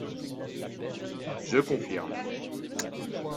Je confirme